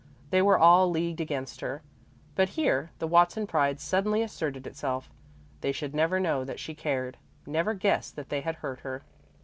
They were all leagued against her. But here the Watson pride suddenly asserted itself they should never know that she cared, never guess that they had hurt her.